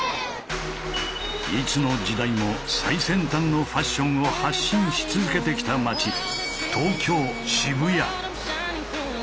いつの時代も最先端のファッションを発信し続けてきた街東京・渋谷。